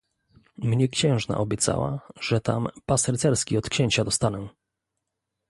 "Mnie księżna obiecała, że tam pas rycerski od księcia dostanę."